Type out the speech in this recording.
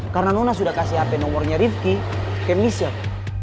karena nona sudah kasih hp nomornya rifki ke missel